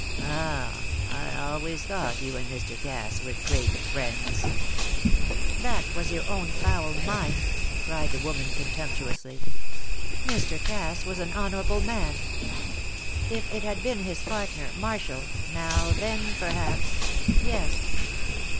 "Ah! I always thought you and Mr. Cass were great friends." "That was your own foul mind," cried the woman, contemptuously. "Mr. Cass was an honourable man. If it had been his partner, Marshall, now, then perhaps yes."